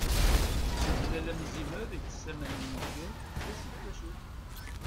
D amellal am izimer, ites aman am uzger. D acu-t, d acu-t?